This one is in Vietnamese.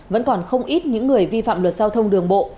vẫn còn không ít những người vi phạm luật giao thông đường bộ